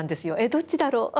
どっちだろう？